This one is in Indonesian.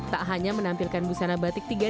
tak hanya menampilkan busana batik tiga